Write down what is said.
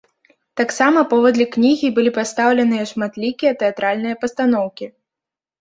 Таксама паводле кнігі былі пастаўленыя шматлікія тэатральныя пастаноўкі.